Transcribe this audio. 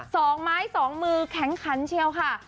สองไม้สองมือแข็งขันเชียวค่ะ